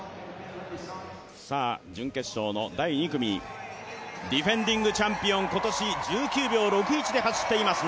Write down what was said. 準決勝の第２組、ディフェンディングチャンピオン今年１９秒６１で走っています